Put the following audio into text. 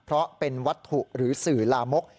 เพราะเป็นวัตถุหรือสื่อลามก